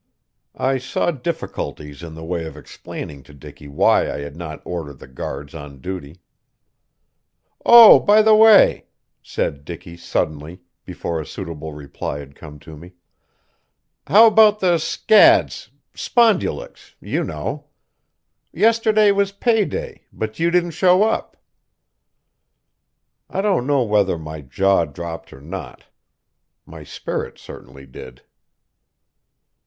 I saw difficulties in the way of explaining to Dicky why I had not ordered the guards on duty. "Oh, by the way," said Dicky suddenly, before a suitable reply had come to me; "how about the scads spondulicks you know? Yesterday was pay day, but you didn't show up." I don't know whether my jaw dropped or not. My spirits certainly did.